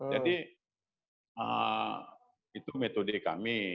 jadi itu metode kami